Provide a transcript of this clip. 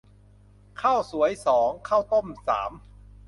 ข้าวสวยสอง ข้าวต้มสาม